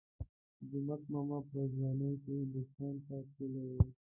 جومک ماما په ځوانۍ کې هندوستان ته تللی وو.